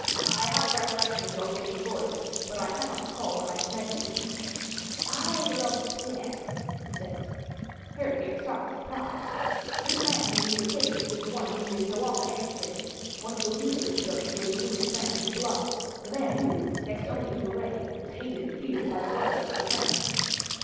"I have a recollection of your face and voice, but I cannot recall where I have met you." "I am Robespierre," he said. Harry gave a start of surprise. This man whom he had saved was he whom he had so often execrated one of the leaders of those who had deluged France with blood the man who, next only to Marat was hated and feared by the Royalists of France.